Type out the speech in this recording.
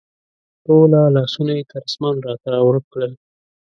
ټوله لاسونه یې تر اسمان راتاو کړل